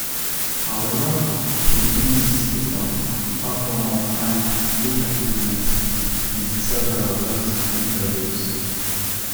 However, he insisted on apomorphine's effectiveness in several works and interviews.